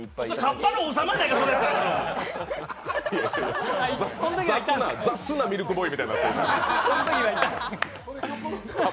カッパの王様やないか、それ雑なミルクボーイみたいになってる。